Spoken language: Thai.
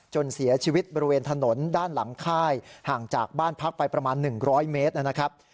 เสียชีวิตบริเวณถนนด้านหลังค่ายห่างจากบ้านพักไปประมาณ๑๐๐เมตรนะครับ